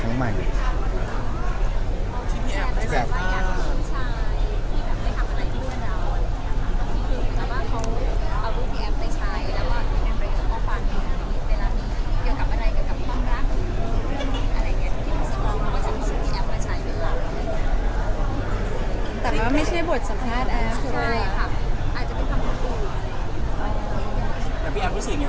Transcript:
แต่ว่าไม่ใช่บทสำคัญแอฟคุณมาชาย